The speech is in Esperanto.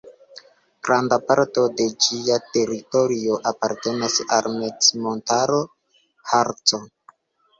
Granda parto de ĝia teritorio apartenas al la mezmontaro Harco.